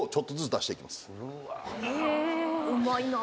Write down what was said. うまいなぁ。